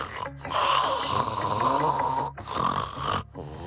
ああ。